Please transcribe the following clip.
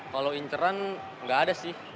kalau interan nggak ada sih